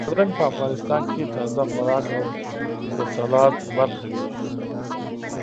بادرنګ په افغانستان کې تازه خوراک او د سالاد برخه وي.